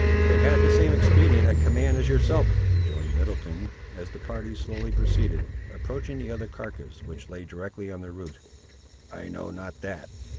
"They had the same expedient at command as yourself," rejoined Middleton, as the party slowly proceeded, approaching the other carcass, which lay directly on their route. "I know not that.